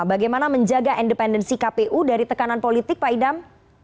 bagaimana menjaga independensi kpu dari tekanan politik pak idam